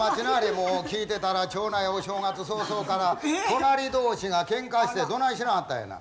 もう聞いてたらお正月早々から隣同士がケンカしてどないしなはったんやな？